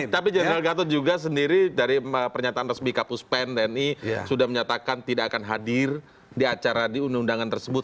tapi general gatot juga sendiri dari pernyataan resmi kapus pen tni sudah menyatakan tidak akan hadir di acara di undang undangan tersebut